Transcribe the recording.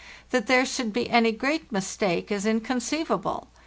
That there should be any great mistake is inconceivable.